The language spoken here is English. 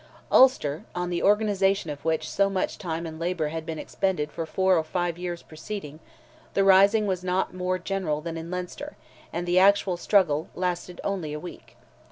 In Ulster, on the organization of which so much time and labour had been expended for four or five years preceding, the rising was not more general than in Leinster, and the actual struggle lasted only a week.